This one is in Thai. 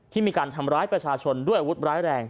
มีการทำร้ายประชาชนด้วยอาวุธร้ายแรง